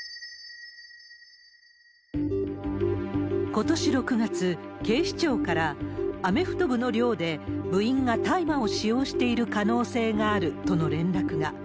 ことし６月、警視庁から、アメフト部の寮で、部員が大麻を使用している可能性があるとの連絡が。